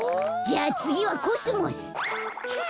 じゃあつぎはコスモス。は！